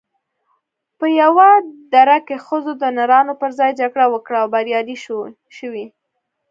په یوه دره کې ښځو د نرانو پر ځای جګړه وکړه او بریالۍ شوې